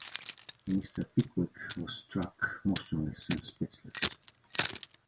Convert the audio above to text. Mister Pickwick was struck motionless and speechless.